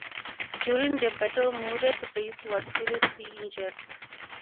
During the battle Murat Reis was seriously injured.